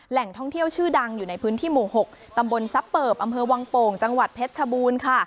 แหล่งท่องเที่ยวชื่อดังอยู่ในพื้นที่หมู่๖ตำบลซับเปิบอำเภอวังโป่งจังหวัดเพชรชบูรณ์ค่ะ